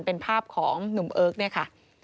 เป็นภาพของหนุ่มเอิร์กเนี่ยค่ะ